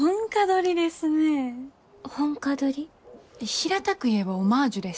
平たく言えばオマージュです。